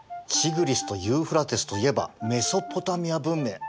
ティグリスとユーフラテスといえばメソポタミア文明！